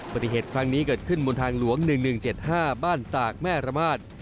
ปฏิเหตุครั้งนี้เกิดขึ้นบนทางหลวง๑๑๗๕บ้านตากแม่ระมาท